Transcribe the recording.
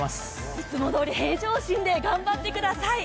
いつもどおり平常心で、頑張ってください。